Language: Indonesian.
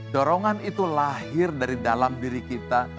dorongan itu lahir dari dalam diri kita